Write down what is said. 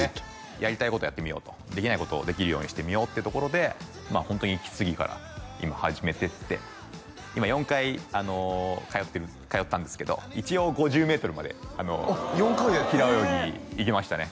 やりたいことやってみようとできないことをできるようにしてみようっていうところでまあホントに息継ぎから今始めてって今４回通ったんですけど一応５０メートルまで４回で？へえ平泳ぎいけましたね